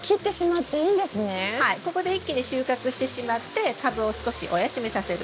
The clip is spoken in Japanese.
ここで一気に収穫してしまって株を少しお休みさせる。